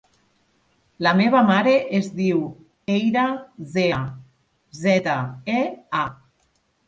La meva mare es diu Eyra Zea: zeta, e, a.